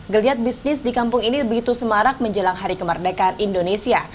geliat bisnis di kampung ini begitu semarak menjelang hari kemerdekaan indonesia